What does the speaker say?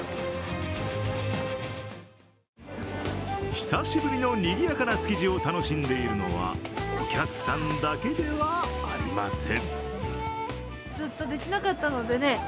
久しぶりのにぎやかな築地を楽しんでいるのはお客さんだけではありません。